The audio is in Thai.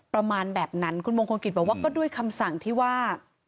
ประมาณแบบนั้นคุณมงคลกิจบอกว่าก็ด้วยคำสั่งที่ว่า